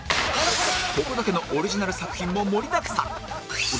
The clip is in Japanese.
ここだけのオリジナル作品も盛りだくさん